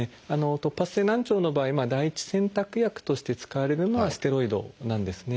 突発性難聴の場合第一選択薬として使われるのはステロイドなんですね。